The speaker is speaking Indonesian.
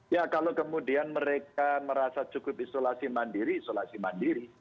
ya kalau kemudian mereka merasa cukup isolasi mandiri isolasi mandiri